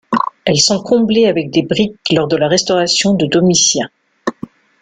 Elles sont comblées avec des briques lors de la restauration de Domitien.